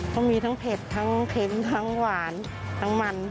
เขามีทั้งเผ็ดทั้งเค็มทั้งหวานทั้งมัน